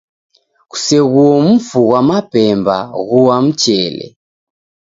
Kuseghuo mufu ghwa mapemba, ghua mchele.